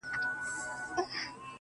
د ميني درد.